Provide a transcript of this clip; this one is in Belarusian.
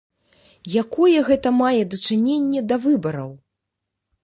Якое гэта мае дачыненне да выбараў?